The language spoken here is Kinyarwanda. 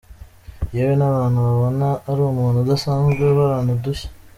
Yewe n’abantu babona ari umuntu udasanzwe uhorana udushya.